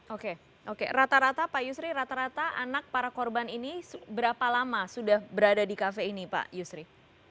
oke oke rata rata pak yusri rata rata anak para korban ini berapa lama sudah berada di kafe ini pak yusri